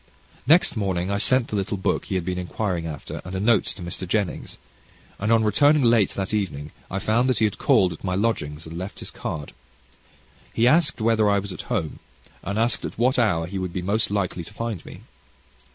Next morning I sent the little book he had been inquiring after, and a note to Mr. Jennings, and on returning late that evening, I found that he had called at my lodgings, and left his card. He asked whether I was at home, and asked at what hour he would be most likely to find me.